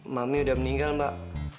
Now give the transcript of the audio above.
mami udah meninggal mbak